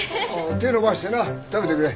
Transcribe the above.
手ぇ伸ばしてな食べてくれ。